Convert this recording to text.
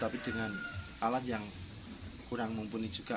tapi dengan alat yang kurang mumpuni juga